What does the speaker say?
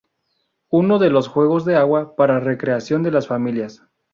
Uno de los juegos de agua para recreación de las familias.